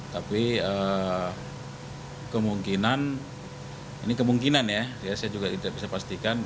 tapi kemungkinan ini kemungkinan ya saya juga tidak bisa pastikan